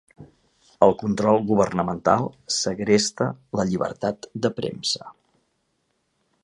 El control governamental segresta la llibertat de premsa.